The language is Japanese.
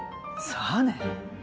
さあね。